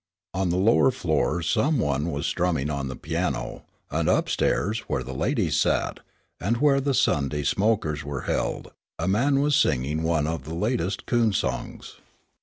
On the lower floor some one was strumming on the piano, and upstairs, where the "ladies" sat, and where the Sunday smokers were held, a man was singing one of the latest coon songs.